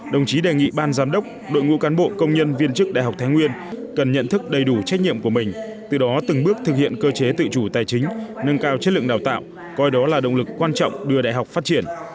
đồng chí đề nghị ban giám đốc đội ngũ cán bộ công nhân viên chức đại học thái nguyên cần nhận thức đầy đủ trách nhiệm của mình từ đó từng bước thực hiện cơ chế tự chủ tài chính nâng cao chất lượng đào tạo coi đó là động lực quan trọng đưa đại học phát triển